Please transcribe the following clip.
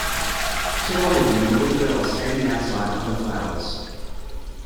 Two older women and a little girl standing outside under flowers.